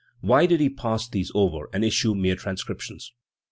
Why did he pass these over and issue mere transcriptions?